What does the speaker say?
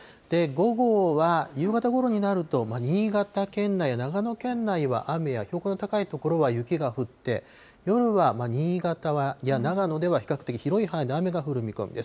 午後は夕方ごろになると、新潟県内や長野県内は雨や、標高の高い所は雪が降って、夜は新潟や長野では比較的広い範囲で雨が降る見込みです。